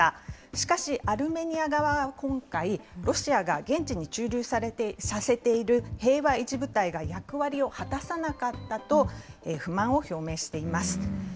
しかし、アルメニア側は今回、ロシアが現地に駐留させている平和維持部隊が役割を果たさなかったと不満を表明しています。